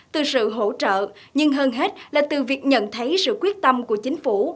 từ sự hỗ trợ nhưng hơn hết là từ việc nhận thấy sự quyết tâm của chính phủ